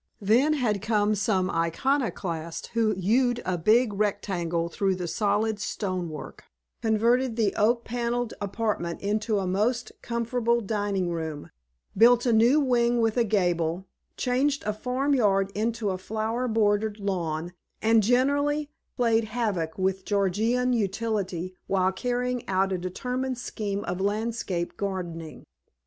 Then had come some iconoclast who hewed a big rectangle through the solid stone work, converted the oak panelled apartment into a most comfortable dining room, built a new wing with a gable, changed a farm yard into a flower bordered lawn, and generally played havoc with Georgian utility while carrying out a determined scheme of landscape gardening.